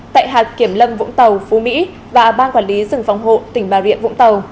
tại hạt kiểm lâm vũng tàu phú mỹ và ban quản lý rừng phòng hộ tỉnh bà rịa vũng tàu